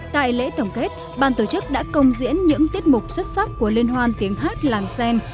tại lễ tổng kết bàn tổ chức đã công diễn những tiết mục xuất sắc của liên hoan tiếng hát làng sen